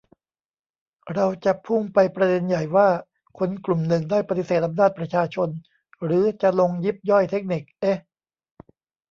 เราจะพุ่งไปประเด็นใหญ่ ว่า คนกลุ่มหนึ่งได้ปฏิเสธอำนาจประชาชน หรือจะลงยิบย่อยเทคนิค เอ๊ะ